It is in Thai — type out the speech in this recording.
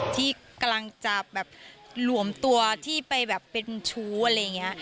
ที่กำลังจะแบบหลวมตัวที่ไปแบบเป็นชู้อะไรอย่างนี้